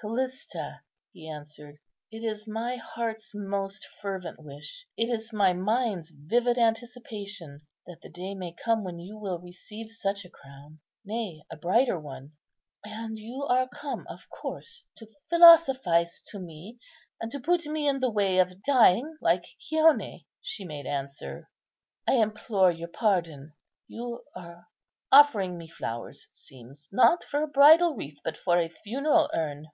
"Callista," he answered, "it is my heart's most fervent wish, it is my mind's vivid anticipation, that the day may come when you will receive such a crown, nay, a brighter one." "And you are come, of course, to philosophize to me, and to put me in the way of dying like Chione," she made answer. "I implore your pardon. You are offering me flowers, it seems, not for a bridal wreath, but for a funeral urn."